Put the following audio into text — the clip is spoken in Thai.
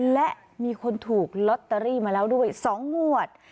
และมีคนถูกลอตเตอรี่มาแล้วด้วย๒งวด